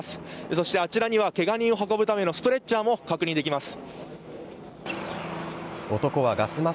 そしてあちらにはケガ人を運ぶためのストレッチャーも確認できます。